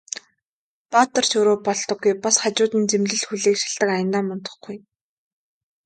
Баатар ч өөрөө болдоггүй, бас хажууд нь зэмлэл хүлээх шалтаг аяндаа мундахгүй.